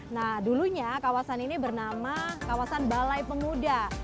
nah dulunya kawasan ini bernama kawasan balai pemuda